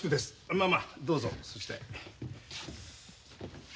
まあまあどうぞそちらへ。